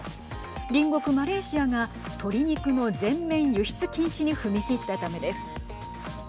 隣国マレーシアが鶏肉の全面輸出禁止に踏み切ったためです。